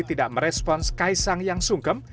tidak merespons kaisang yang sungkem